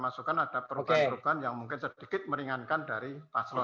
masukan ada perubahan perubahan yang mungkin sedikit meringankan dari paslon